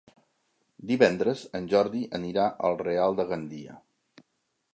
Divendres en Jordi anirà al Real de Gandia.